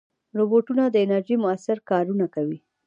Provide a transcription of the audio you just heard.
روبوټونه د انرژۍ مؤثره کارونه کوي.